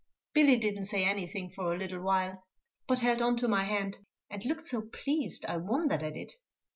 Billy didn't say anything for a little while, but held on to my hand, and looked so pleased, I wondered at it.